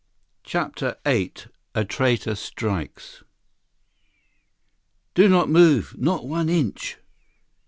CHAPTER VIII A Traitor Strikes "Do not move—not one inch!"